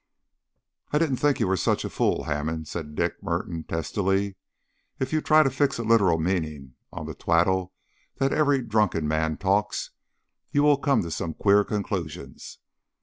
"I didn't think you were such a fool, Hammond," said Dick Merton testily. "If you try to fix a literal meaning on the twaddle that every drunken man talks, you will come to some queer conclusions.